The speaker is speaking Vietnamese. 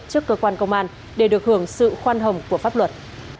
trước cơ quan công an để được hưởng sự khoan hồng của pháp luật